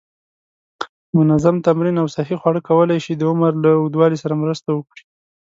منظم تمرین او صحی خواړه کولی شي د عمر له اوږدوالي سره مرسته وکړي.